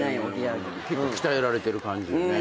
結構鍛えられてる感じだね。